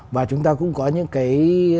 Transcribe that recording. và chúng ta cũng có những cái